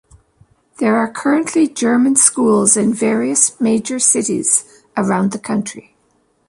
There are currently German schools in various major cities around the country.